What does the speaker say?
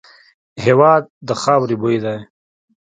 هېواد د خاوري بوی دی.